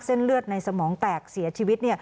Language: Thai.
เลือดในสมองแตกเสียชีวิต